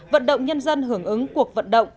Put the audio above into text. vận động nhân dân hưởng ứng cuộc vận động